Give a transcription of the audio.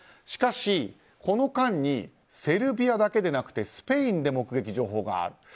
しかし、この間にセルビアだけでなくてスペインで目撃情報がある。